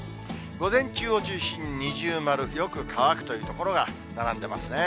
午前中を中心に、二重丸、よく乾くという所が並んでますね。